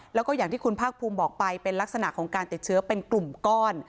แล้วก็อย่างที่คุณภาคภูมิบอกไปเป็นลักษณะของการติดเชื้อเป็นกลุ่มก้อน